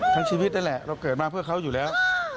ชีวิตนั่นแหละเราเกิดมาเพื่อเขาอยู่แล้ว